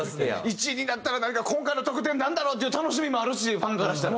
１位になったら今回の特典なんだろう？っていう楽しみもあるしファンからしたら。